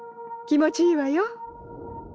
気持ちいいわよ。